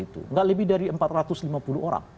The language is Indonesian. tidak lebih dari empat ratus lima puluh orang